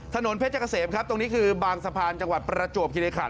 ถนนเพชรเกษมครับตรงนี้คือบางสะพานจังหวัดประจวบคิริขัน